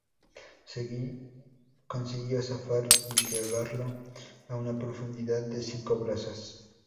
Seguí consiguió zafar y llevarlo a una profundidad de cinco brazas.